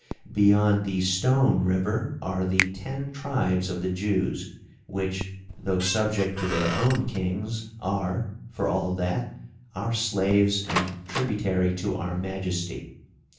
"Beyond the stone river are the ten tribes of the Jews, which, though subject to their own kings, are, for all that, our slaves and tributary to our Majesty.